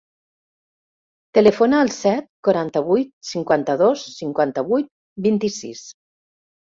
Telefona al set, quaranta-vuit, cinquanta-dos, cinquanta-vuit, vint-i-sis.